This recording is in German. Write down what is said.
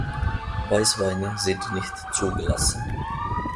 Weißweine sind nicht zugelassen.